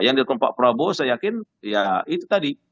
yang dilakukan pak prabowo saya yakin ya itu tadi